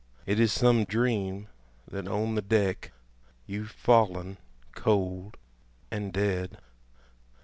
It is some dream that on the deck, You've fallen cold and dead.